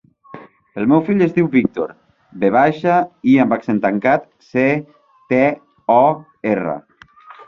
El meu fill es diu Víctor: ve baixa, i amb accent tancat, ce, te, o, erra.